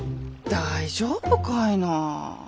大丈夫かいな。